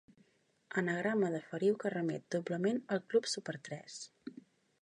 Anagrama de feriu que remet doblement al Club Súper tres.